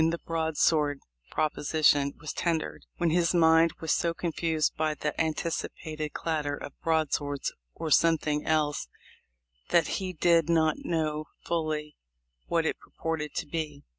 259 the "broadsword proposition" was tendered, when his mind was so confused by the anticipated clatter of broadswords, or something else, that he did "not know fully what it purported to be."